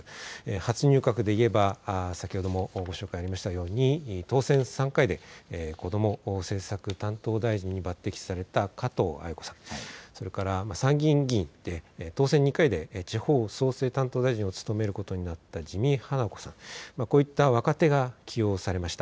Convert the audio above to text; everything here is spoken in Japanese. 初入閣で言えば先ほどもご紹介ありましたように当選３回でこども政策担当大臣に抜てきされた加藤鮎子さん、それから参議院議員で当選２回で地方創生担当大臣を務めることになった自見英子さん、こういった若手が起用されました。